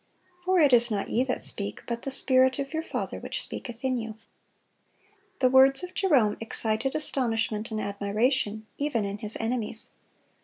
For it is not ye that speak, but the Spirit of your Father which speaketh in you."(148) The words of Jerome excited astonishment and admiration, even in his enemies.